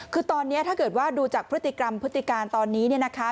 คือตอนนี้ถ้าเกิดว่าดูจากพฤติกรรมพฤติการตอนนี้เนี่ยนะคะ